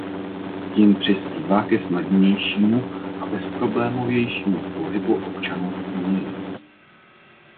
Tím přispívá ke snadnějšímu a bezproblémovějšímu pohybu občanů v Unii.